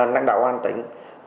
năng đạo an tính